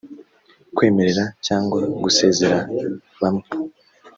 kwemerera cyangwa gusezerera bamwe